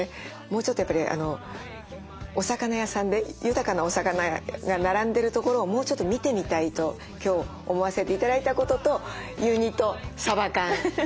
もうちょっとやっぱりお魚屋さんで豊かなお魚が並んでるところをもうちょっと見てみたいと今日思わせて頂いたことと湯煮とさば缶。